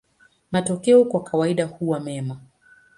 Matokeo kwa kawaida huwa mema.